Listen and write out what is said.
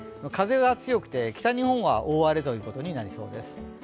風が強くて、北日本は大荒れということになりそうです。